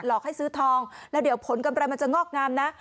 อกให้ซื้อทองแล้วเดี๋ยวผลกำไรมันจะงอกงามนะ